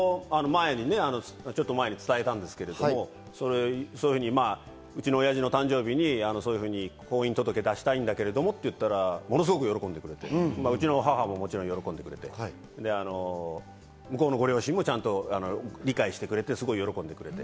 ちょっと前に伝えたんですけど、うちの親父の誕生日に婚姻届を出したいんだけれどもって言ったら、ものすごく喜んでくれて、うちの母も、もちろん喜んでくれて、向こうのご両親もちゃんと理解してくれて、すごい喜んでくれて。